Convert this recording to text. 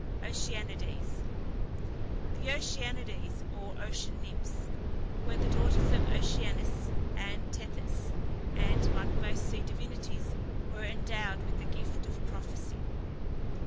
OCEANIDES. The OCEANIDES, or Ocean Nymphs, were the daughters of Oceanus and Tethys, and, like most sea divinities, were endowed with the gift of prophecy.